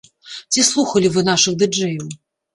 Ці слухалі вы нашых ды-джэяў?